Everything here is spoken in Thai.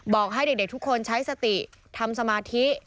บอกให้เด็กทุกคนใช้สติทำสมาธิ